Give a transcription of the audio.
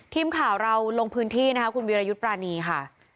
ทีมข่าวเราลงพื้นที่นะคะคุณวิรยุทธ์ปรานีค่ะ